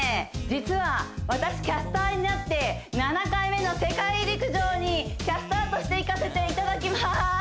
実は私キャスターになって７回目の世界陸上にキャスターとして行かせていただきます